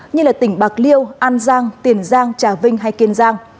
như tỉnh bạc liêu an giang tiền giang trà vinh hay kiên giang